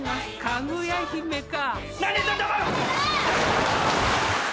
かぐや姫か。